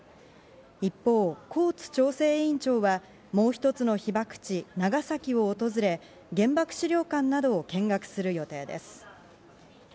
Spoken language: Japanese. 一方、コーツ調整委員長はもう一つの被爆地・長崎を訪れ、原爆資料館などを見学する予定です。